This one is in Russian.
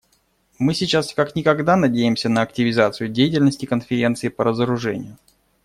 Мы сейчас как никогда надеемся на активизацию деятельности Конференции по разоружению.